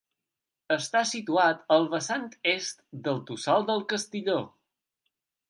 Està situat al vessant est del Tossal del Castilló.